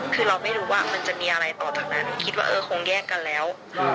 คือเราไม่รู้ว่ามันจะมีอะไรต่อจากนั้นคิดว่าเออคงแยกกันแล้ว